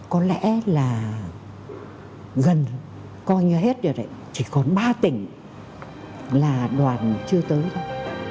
có lẽ là gần coi như hết rồi chỉ còn ba tỉnh là đoàn chưa tới thôi